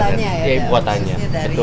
khususnya dari ketinggian kelawanan anambas ini